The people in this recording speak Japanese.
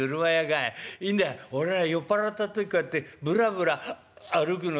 いいんだ俺は酔っ払った時こうやってブラブラ歩くの好きな」。